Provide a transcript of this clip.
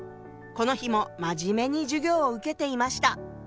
この日も真面目に授業を受けていました。